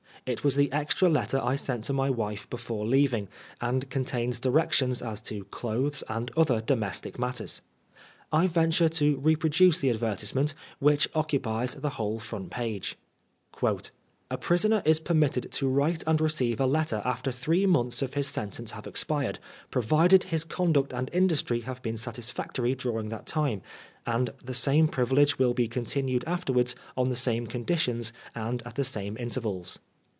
It was the extra letter I sent to my wife before leaving, and contains directions as to clothes and other domes tic matters. I venture to reproduce the advertise ment, which occupies the whole front page i A prisoner is permitted to write and receive a Letter after three months of nis sentence have expired, provided his con ductand industry have been satisfactory during that time, and the same privilege will be continued afterwards on the same con ditions and at the same intervals.